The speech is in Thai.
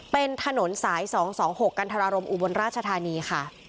เป็นถนนสาย๒๒๖กันทรารมอุบลราชธานีค่ะ